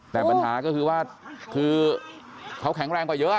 แต่ปัญหาก็คือว่าคือเขาแข็งแรงกว่าเยอะ